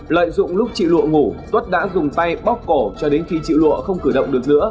lợi dụng lúc chị lụa ngủ tuất đã dùng tay bóc cổ cho đến khi chịu lụa không cử động được nữa